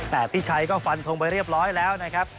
แต่พี่ชัยก็ฟันทงไปเรียบร้อยแล้วนะครับ